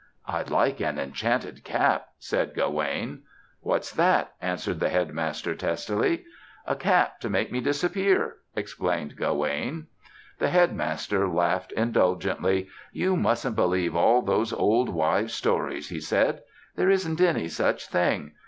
"I'd like an enchanted cap," said Gawaine. "What's that?" answered the Headmaster, testily. "A cap to make me disappear," explained Gawaine. The Headmaster laughed indulgently. "You mustn't believe all those old wives' stories," he said. "There isn't any such thing.